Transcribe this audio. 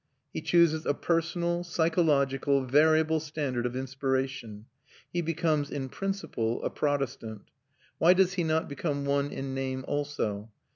He chooses a personal, psychological, variable standard of inspiration; he becomes, in principle, a Protestant. Why does he not become one in name also?